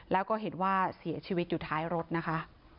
แล้วก็เห็นว่าเสียชีวิตอยู่ท้ายรถนะคะ